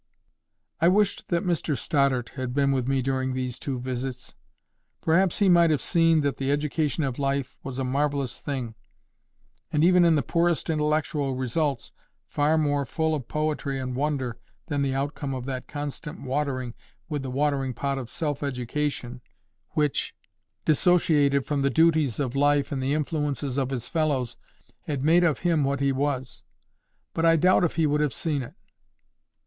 I wished that Mr Stoddart had been with me during these two visits. Perhaps he might have seen that the education of life was a marvellous thing, and, even in the poorest intellectual results, far more full of poetry and wonder than the outcome of that constant watering with the watering pot of self education which, dissociated from the duties of life and the influences of his fellows, had made of him what he was. But I doubt if he would have seen it.